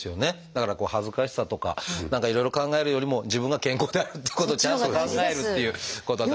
だからこう恥ずかしさとか何かいろいろ考えるよりも自分が健康であるってことをちゃんと考えるっていうことは。